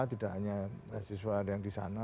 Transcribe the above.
tidak hanya mahasiswa yang disana